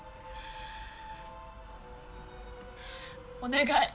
お願い。